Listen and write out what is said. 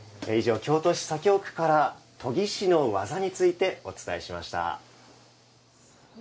京都市左京区から研ぎ師の技についてお伝えしました。